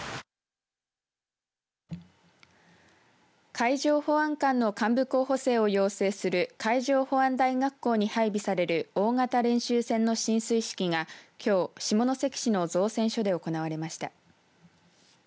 海上保安官の幹部候補生を養成する海上保安大学校に配備される大型練習船の進水式がきょう、下関市の造船所で行われました。